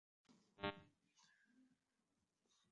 ততক্ষণ একটু আত্মসংযম করিয়া থাকো।